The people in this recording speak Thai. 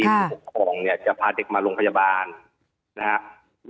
ผู้ปกครองเนี่ยจะพาเด็กมาโรงพยาบาลนะครับ